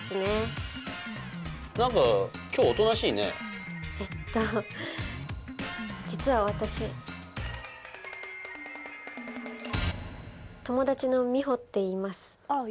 えっと実は私友達の美穂っていいます